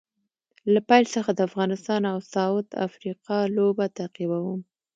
له پیل څخه د افغانستان او ساوت افریقا لوبه تعقیبوم